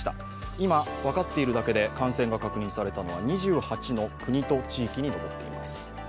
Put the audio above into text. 今、分かっているだけで感染が確認されたのは２８の国と地域に上っています。